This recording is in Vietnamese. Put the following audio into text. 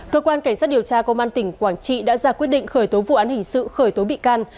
cơ quan cảnh sát điều tra công an tỉnh quảng trị đã ra quyết định khởi tố vụ án hình sự khởi tố bị can